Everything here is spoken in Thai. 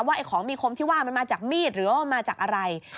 ของมีคมที่ว่ามันมาจากมีดหรือว่ามาจากอะไร